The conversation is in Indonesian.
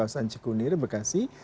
sanci kunir bekasi